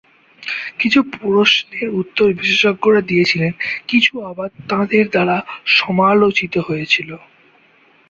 কিছু প্রশ্নের উত্তর বিশেষজ্ঞরা দিয়েছিলেন কিছু আবার তাঁদের দ্বারা সমালোচিত হয়েছিল।